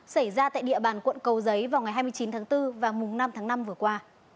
xảy ra tại địa bàn quận cầu giấy vào ngày hai mươi chín tháng bốn và mùng năm tháng năm vừa qua